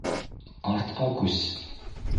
- Артҡа күс!